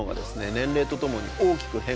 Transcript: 年齢とともに大きく変化すると。